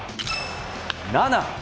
７